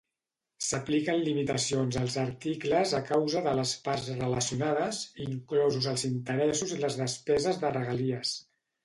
S'apliquen limitacions als articles a causa de parts relacionades, inclosos els interessos i les despeses de regalies.